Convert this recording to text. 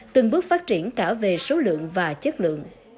từng bước phát triển cả về số lượng và chất lượng